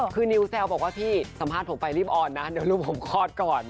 คือนิวแซวบอกว่าพี่สัมภาษณ์ผมไปรีบอ่อนนะเดี๋ยวลูกผมคลอดก่อน